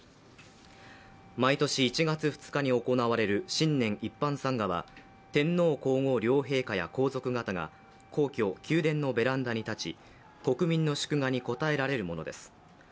毎年１月２日に行われる新年一般参賀は天皇皇后両陛下や皇族方が皇居・宮殿のベランダに立ち、国民の祝賀に応えられるものです。